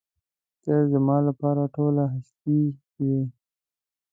ته زما لپاره ټوله هستي وې.